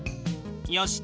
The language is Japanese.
よし。